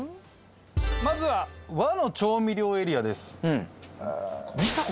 まずは和の調味料エリアです。